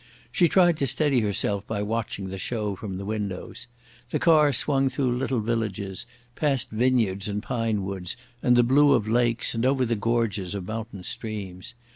She tried to steady herself by watching the show from the windows. The car swung through little villages, past vineyards and pine woods and the blue of lakes, and over the gorges of mountain streams.